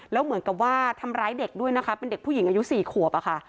แล้วเหมือนกับว่าทำร้ายเด็กด้วยนะคะเป็นเด็กผู้หญิงอายุ๔ขวบอะค่ะ